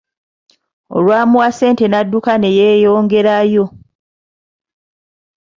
Olwamuwa ssente n'adduka ne yeeyongerayo.